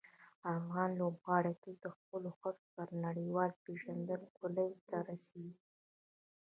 افغان لوبغاړي تل د خپلو هڅو سره نړیوالې پېژندګلوۍ ته رسېږي.